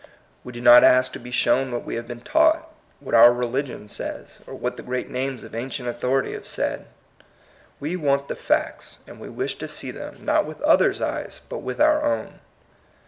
We do not ask to be shown what we have been taught, what our re ligion says, or what the great names of ancient authority have said. We want the facts; and we wish to see them, not with others' eyes, but with our own.